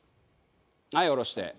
はい下ろして。